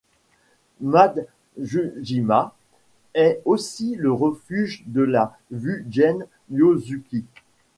Matsujima est aussi le refuge de la wu jen Yosuki.